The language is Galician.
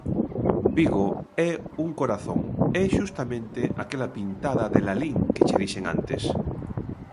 Vigo é un corazón, é xustamente aquela pintada de Lalín que che dixen antes.